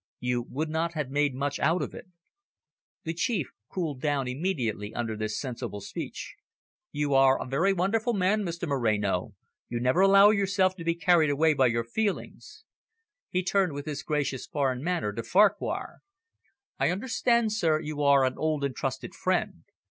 You would not have made much out of it." The Chief cooled down immediately under this sensible speech. "You are a very wonderful man, Mr Moreno. You never allow yourself to be carried away by your feelings." He turned with his gracious foreign manner to Farquhar. "I understand, sir, you are an old and trusted friend.